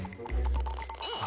あ！